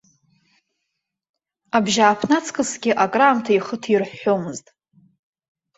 Абжьааԥны аҵкысгьы акраамҭа ихы ҭирҳәҳәомызт.